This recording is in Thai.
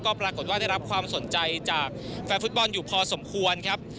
ปรากฏว่าได้รับความสนใจจากแฟนฟุตบอลอยู่พอสมควรครับ